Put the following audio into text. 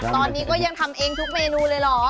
ตอนนี้ก็ยังทำเองทุกเมนูเลยเหรอ